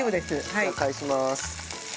じゃあ返します。